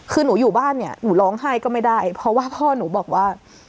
คือหนูอยู่บ้านเนี่ยหนูร้องไห้ก็ไม่ได้เพราะว่าพ่อหนูบอกว่า